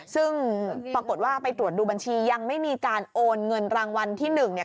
ซึ่งปรากฏว่าไปตรวจดูบัญชียังไม่มีการโอนเงินรางวัลที่หนึ่งเนี่ย